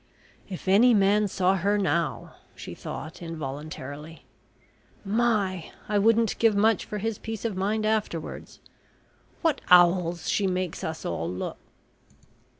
"If any man saw her now!" she thought involuntarily. "My! I wouldn't give much for his peace of mind afterwards! What owls she makes us all look!"